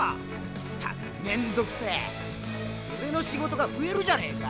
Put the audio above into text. ったくめんどくせーオレの仕事が増えるじゃねーか！